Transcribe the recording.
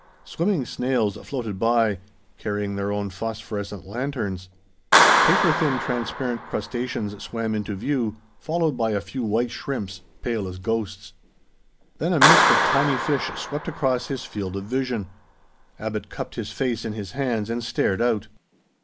Swimming snails floated by, carrying their own phosphorescent lanterns. Paper thin transparent crustaceans swam into view, followed by a few white shrimps, pale as ghosts. Then a mist of tiny fish swept across his field of vision. Abbot cupped his face in his hands, and stared out.